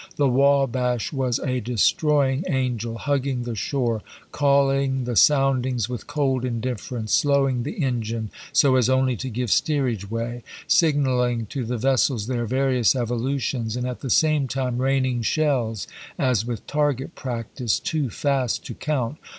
. The Wahash was a destroying angel — hugging the shore ; calling the soundings with cold indifference ; slowing the engine, so as only to give steerage way ; signaling to the vessels theh various evo lutions ; and at the same time raining sheUs, as with target practice, too fast to count.